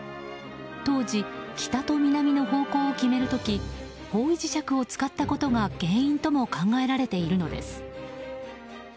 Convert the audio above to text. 当時、北と南の方向を決める時方位磁石を使ったことが原因とも考えられているのです。